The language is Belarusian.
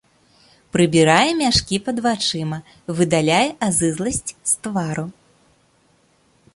Прыбірае мяшкі пад вачыма, выдаляе азызласць з твару.